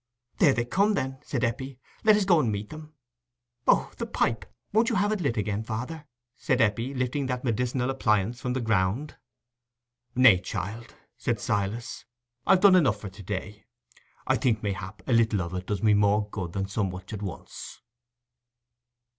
"There they come, then," said Eppie. "Let us go and meet 'em. Oh, the pipe! won't you have it lit again, father?" said Eppie, lifting that medicinal appliance from the ground. "Nay, child," said Silas, "I've done enough for to day. I think, mayhap, a little of it does me more good than so much at once."